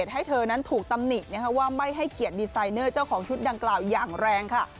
ให้เธอนั้นถูกตำหนิว่าไม่ให้เกียรติดีไซเนอร์เจ้าของชุดดังกล่าวอย่างแรงค่ะ